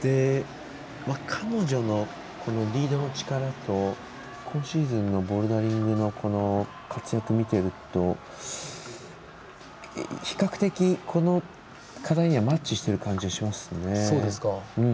彼女のリードの力と今シーズンのボルダリングの活躍を見ていると比較的、この課題にはマッチしている感じしますね。